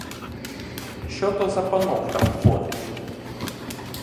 Що то за панок там ходить?